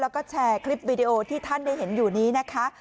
แล้วก็แชร์คลิปวิดีโอที่ท่านได้เห็นอยู่นี้นะคะ